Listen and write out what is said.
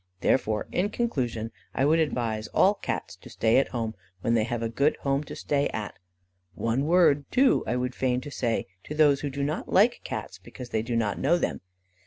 Therefore, in conclusion, I would advise all Cats to stay at home when they have a good home to stay at. One word, too, I would fain say to those who do not like Cats, because they do not know them.